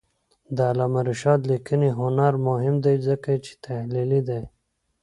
د علامه رشاد لیکنی هنر مهم دی ځکه چې تحلیلي دی.